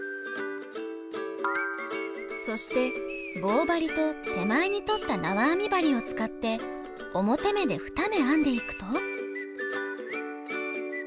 そして棒針と手前に取ったなわ編み針を使って表目で２目編んでいくと。